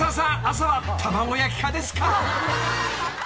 朝は卵焼き派ですか？］